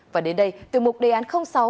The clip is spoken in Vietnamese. và đến đây tiêu mục đề án sáu